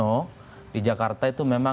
dan juga siapa yang harus memiliki kemampuan